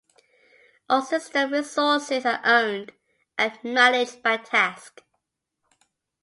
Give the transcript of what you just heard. All system resources are owned and managed by tasks.